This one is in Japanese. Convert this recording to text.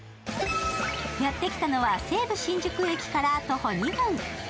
やってきたのは、西武新宿駅から徒歩２分。